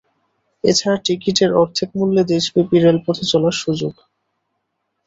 এ ছাড়া টিকিটের অর্ধেক মূল্যে দেশব্যাপী রেলপথে চলার সুযোগ।